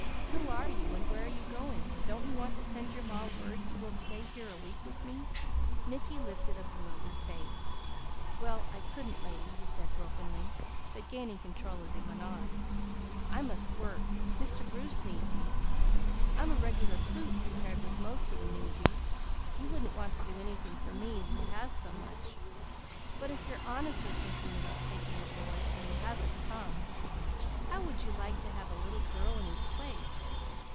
Who are you, and where are you going? Don't you want to send your ma word you will stay here a week with me?" Mickey lifted a bewildered face. "Why, I couldn't, lady," he said brokenly, but gaining control as he went on. "I must work. Mr. Bruce needs me. I'm a regular plute compared with most of the 'newsies'; you wouldn't want to do anything for me who has so much; but if you're honestly thinking about taking a boy and he hasn't come, how would you like to have a little girl in his place?